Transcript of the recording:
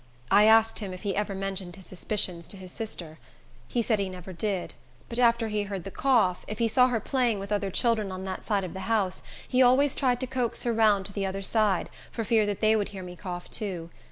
'" I asked him if he ever mentioned his suspicions to his sister. He said he never did; but after he heard the cough, if he saw her playing with other children on that side of the house, he always tried to coax her round to the other side, for fear they would hear me cough, too.